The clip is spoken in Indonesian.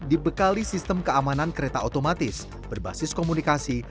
dibekali sistem keamanan kereta otomatis berbasis komunikasi